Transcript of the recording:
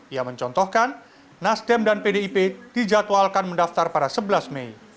ia mencontohkan nasdem dan pdip dijadwalkan mendaftar pada sebelas mei